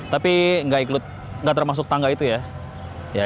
tapi nggak termasuk tangga itu ya